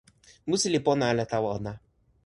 musi li pona ala tawa ona.